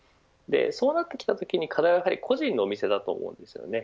そうなってきたときに、課題はやはり個人のお店だと思います。